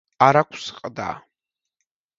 არ აქვს ყდა.